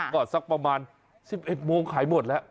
ก็ประมาณนี่๑๑โมงขายหมดแล้ว